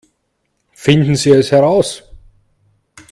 Finden Sie es heraus!